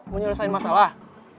mau nyelesain masalah